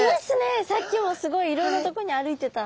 さっきもすごいいろんなとこに歩いてた。